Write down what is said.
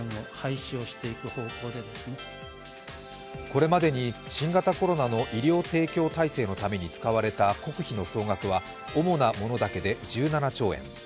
これまでに新型コロナの医療提供体制のために使われた国費の総額は主なものだけで１７兆円。